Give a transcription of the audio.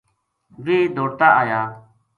ویہ دوڑتا آیا